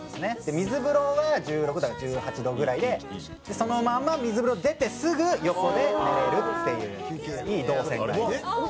「水風呂は１６度から１８度ぐらいでそのまま水風呂出てすぐ横で寝れるっていういい動線があります」